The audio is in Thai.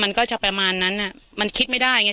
มันก็จะประมาณนั้นอ่ะมันคิดไม่ได้ไง